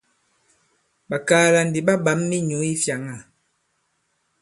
Ɓàkaala ndi ɓa ɓǎm minyǔ i fyāŋā.